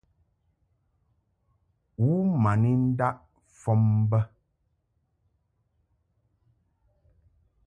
U ma ni ndaʼ fɔm bə.